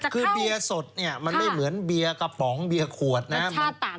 คือเบียร์สดเนี่ยมันไม่เหมือนเบียร์กระป๋องเบียร์ขวดนะ